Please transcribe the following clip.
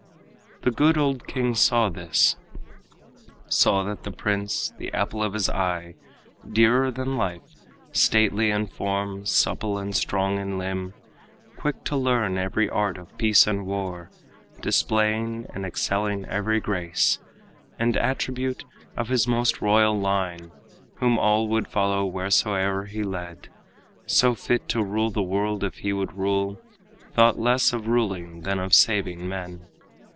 The good old king saw this saw that the prince, The apple of his eye, dearer than life, Stately in form, supple and strong in limb, Quick to learn every art of peace and war, Displaying and excelling every grace And attribute of his most royal line, Whom all would follow whereso'er he led, So fit to rule the world if he would rule, Thought less of ruling than of saving men.